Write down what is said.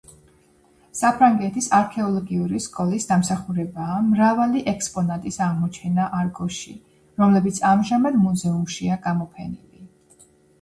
საფრანგეთის არქეოლოგიური სკოლის დამსახურებაა მრავალი ექსპონატის აღმოჩენა არგოსში, რომლებიც ამჟამად მუზეუმშია გამოფენილი.